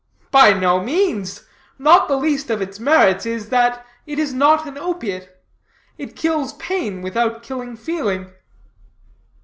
"By no means. Not the least of its merits is, that it is not an opiate. It kills pain without killing feeling."